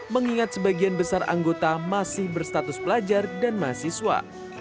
mengingat sebagian besar anggota masih berstatus pelajar dan mahasiswa